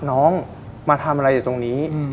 น้องมาทำอะไรอยู่ตรงนี้